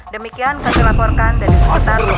demikian kami laporkan dari sekitar empat kejadian